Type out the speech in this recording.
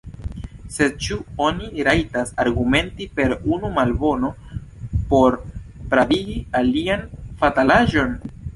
Sed ĉu oni rajtas argumenti per unu malbono por pravigi alian fatalaĵon?